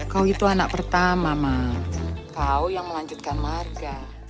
kau itu anak pertama mak kau yang melanjutkan markah